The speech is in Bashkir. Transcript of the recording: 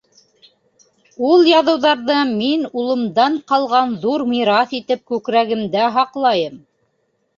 Ул яҙыуҙарҙы мин улымдан ҡалған ҙур мираҫ итеп күкрәгемдә һаҡлайым.